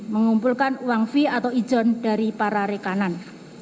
mengumpulkan uang fee atau ijon dari para rekanan